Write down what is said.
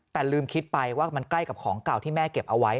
แต่ลืมคิดไปว่ามันใกล้กับของเก่าที่แม่เก็บเอาไว้